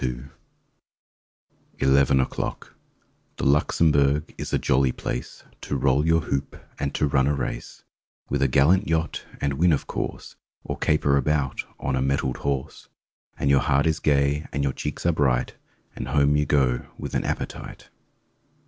• TEN O'CLOCK 19 ELEVEN O'CLOCK T he Luxembourg is a jolly place To roll your hoop, and to run a race With a gallant yacht, and win, of course. Or caper about on a mettled horse! And your heart is gay and your cheeks are bright— And home you go with an appetite!